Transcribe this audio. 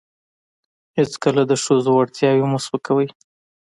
هیڅکله د ښځو وړتیاوې مه سپکوئ.